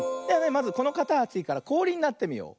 まずこのかたちからこおりになってみよう。